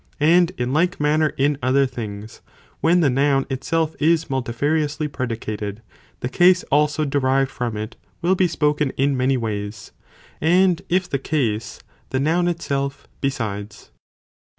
And in like manner in other things, when (the noun) itself is multifariously predicated, the case also derived from it, will be spoken in many ways, and if the case (the noun) itself besides. CHAP. Xv. | THE TOPICS.